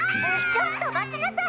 ちょっと待ちなさい！